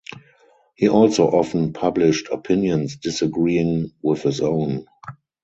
He also often published opinions disagreeing with his own.